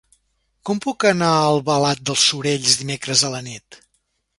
Com puc anar a Albalat dels Sorells dimecres a la nit?